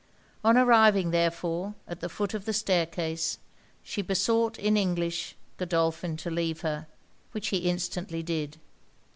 On arriving, therefore, at the foot of the staircase, she besought, in English, Godolphin to leave her, which he instantly did.